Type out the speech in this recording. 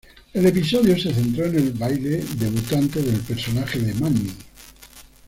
El episodio se centró en el baile debutante del personaje de Manny.